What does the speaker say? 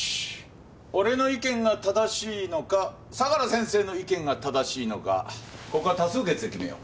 俺の意見が正しいのか相良先生の意見が正しいのかここは多数決で決めよう。